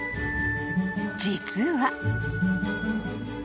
［実は］